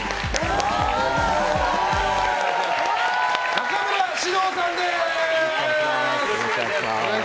中村獅童さんです。